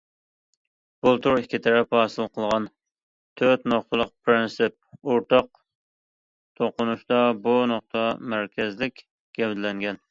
بۇلتۇر ئىككى تەرەپ ھاسىل قىلغان‹‹ تۆت نۇقتىلىق پىرىنسىپ›› ئورتاق تونۇشىدا بۇ نۇقتا مەركەزلىك گەۋدىلەنگەن.